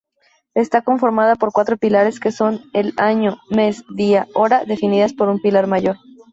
Está conformada por cuatro pilares que son el año-mes-día-hora definidas por un pilar mayor.